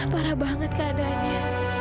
parah banget keadaannya